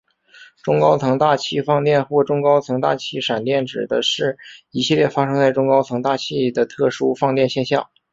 中高层大气放电或中高层大气闪电指的是一系列发生在中高层大气的特殊放电现象。